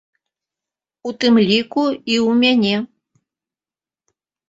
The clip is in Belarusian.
У тым ліку і ў мяне.